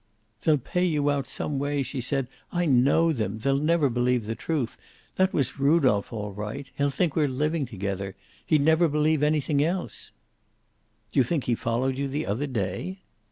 "They'll pay you out some way," she said. "I know them. They'll never believe the truth. That was Rudolph, all right. He'll think we're living together. He'd never believe anything else." "Do you think he followed you the other day?"